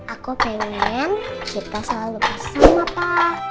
aku pengen kita selalu bersama pa